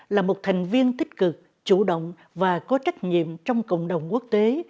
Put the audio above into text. là một thành viên tích cực chủ động và có trách nhiệm trong cộng đồng quốc tế